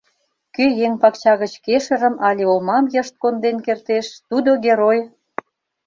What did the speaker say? Кӧ еҥ пакча гыч кешырым але олмам йышт конден кертеш, тудо герой!